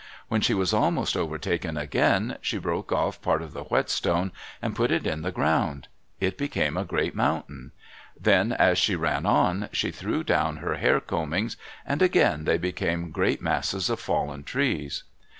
When she was almost overtaken again, she broke off part of the whetstone and put it in the ground. It became a great mountain. Then as she ran on, she threw down her hair combings and again they became great masses of fallen trees.